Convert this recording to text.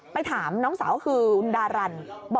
ไปถามน้องสาวคืออุณดารัน